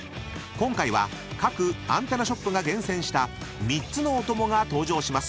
［今回は各アンテナショップが厳選した３つのおともが登場します］